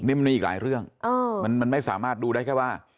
นี่มันมีอีกหลายเรื่องมันไม่สามารถดูได้แค่ว่า